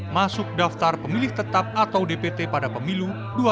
masuk daftar pemilih tetap atau dpt pada pemilu dua ribu dua puluh empat